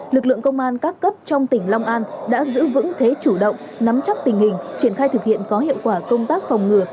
lực lượng công an các cấp trong tỉnh long an đã giữ vững thế chủ động nắm chắc tình hình triển khai thực hiện có hiệu quả công tác phòng ngừa